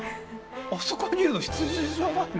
あそこにいるの羊じゃないの？